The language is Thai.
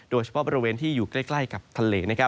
โดยเฉพาะบริเวณที่อยู่ใกล้กับทะเล